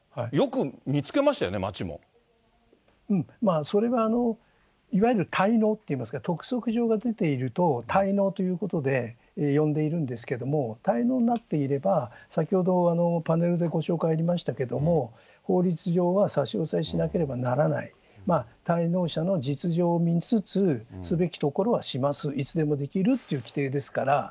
だから、それは、いわゆる滞納っていいますか、督促状が出ていると、滞納ということで呼んでいるんですけども、滞納になっていれば、先ほど、パネルでご紹介ありましたけれども、法律上は差し押さえしなければならない、滞納者の実情を見つつ、すべきところはします、いつでもできるっていう規定ですから。